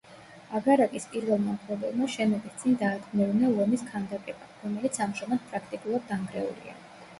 აგარაკის პირველმა მფლობელმა შენობის წინ დაადგმევინა ლომის ქანდაკება, რომელიც ამჟამად პრაქტიკულად დანგრეულია.